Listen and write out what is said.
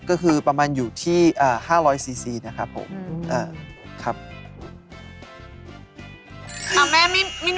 ก็คือน้ำอุณหภูมิปกตินี่เลย